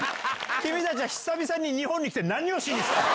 君たちは久々に日本に来て何をしに来たの。